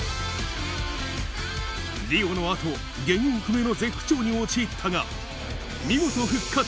リオのあと、原因不明の絶不調に陥ったが、見事復活。